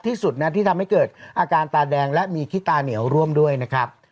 ที่สุดนะที่ทำให้เกิดอาการตาแดงและมีขี้ตาเหนียวร่วมด้วยนะครับ